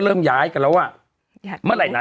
เราก็มีความหวังอะ